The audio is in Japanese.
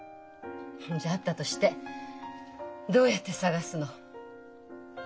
じゃああったとしてどうやって探すの？